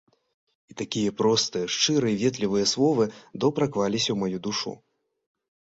І такія простыя шчырыя ветлівыя словы добра клаліся ў маю душу.